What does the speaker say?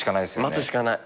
待つしかない。